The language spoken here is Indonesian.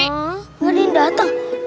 kagak ada yang dateng